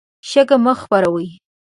شګه مه خپروئ.